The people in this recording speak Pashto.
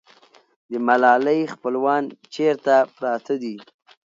د ملالۍ خپلوان چېرته پراته دي؟